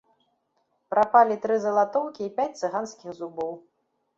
Прапалі тры залатоўкі і пяць цыганскіх зубоў.